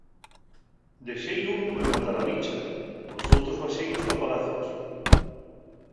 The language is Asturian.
Dexéi unu en Matalaviḷḷa, los outros baxéilos pa Palacios.